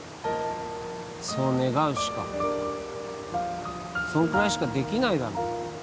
そう願うしかそんくらいしかできないだろ？